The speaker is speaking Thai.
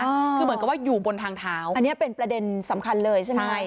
คือเหมือนกับว่าอยู่บนทางเท้าอันนี้เป็นประเด็นสำคัญเลยใช่ไหม